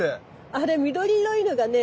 あれ緑色いのがね